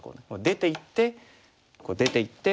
出ていって出ていって。